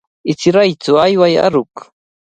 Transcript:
Ichiraytsu, ayway aruq.